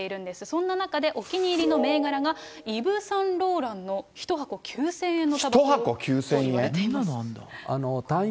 そんな中で、お気に入りの銘柄が、イヴ・サンローランの１箱９０００円のたばこといわれています。